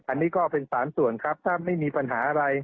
อันนี้ก็เป็น๓ส่วนครับถ้าไม่มีปัญหาอะไร